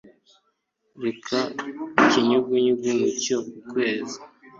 reka ikinyugunyugu mu mucyo ukwezi